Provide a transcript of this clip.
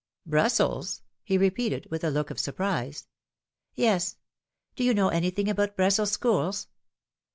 ' Brussels !" he repeated, with a look of surprise. ' Yes. Do you know anything about Brussels schools